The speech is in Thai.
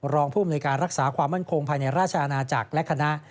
รองผู้อำนวยการรักษาความมั่นคงภายในราชอาณาจักรและคณะ